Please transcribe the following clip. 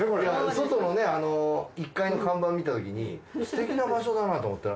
外の１階の看板を見たときにすてきな場所だなと思ったら。